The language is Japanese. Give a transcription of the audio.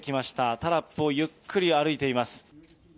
タラップをゆっくり歩いています。